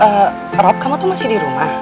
eh rob kamu tuh masih dirumah